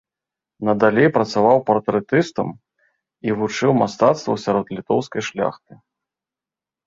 Надалей працаваў партрэтыстам і вучыў мастацтву сярод літоўскай шляхты.